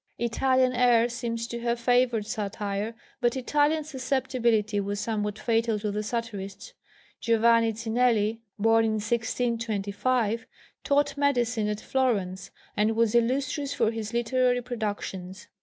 Italian air seems to have favoured satire, but Italian susceptibility was somewhat fatal to the satirists. Giovanni Cinelli, born in 1625, taught medicine at Florence and was illustrious for his literary productions.